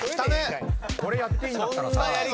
これやっていいんだったらさ。